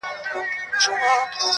قلم د زلفو يې د هر چا زنده گي ورانوي~